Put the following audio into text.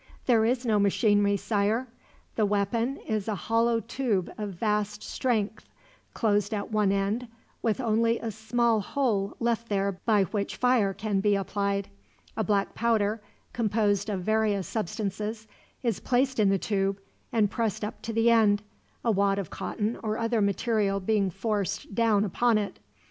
"There is no machinery, Sire. The weapon is a hollow tube of vast strength, closed at one end, with only a small hole left there by which fire can be applied. A black powder, composed of various substances, is placed in the tube and pressed up to the end, a wad of cotton or other material being forced down upon it.